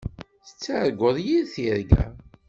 Tettarguḍ yir tirga.